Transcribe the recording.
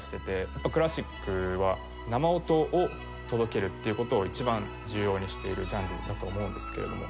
やっぱクラシックは生音を届けるっていう事を一番重要にしているジャンルだと思うんですけれども。